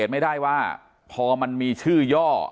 ไม่ได้ว่าพอมันมีชื่อย่อ